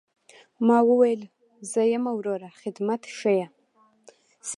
ما وويل زه يم وروه خدمت ښييه.